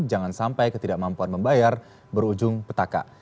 jangan sampai ketidakmampuan membayar berujung petaka